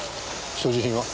所持品は？